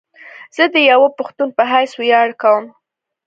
زه ديوه پښتون په حيث وياړ کوم